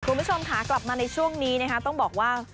คุณผู้ชมค่ะกลับมาในช่วงนี้นะคะต้องบอกว่า